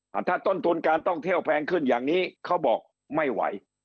ถ้าต้นทุนการท่องเที่ยวแพงขึ้นอย่างนี้เขาบอกไม่ไหว